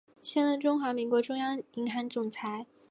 现任中华民国中央银行总裁。